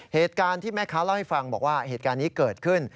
เหตุการณ์ที่แม่ค้าเล่าให้ฟังบอกว่าเหตุการณ์นี้เกิดขึ้น